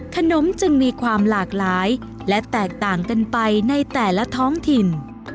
ขนมจึงมีความหลากหลายและแตกต่างกันไปในแต่ละท้องถิ่น